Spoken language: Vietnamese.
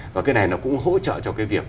và cái này nó cũng hỗ trợ cho cái việc